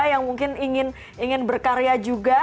yang mungkin ingin berkarya juga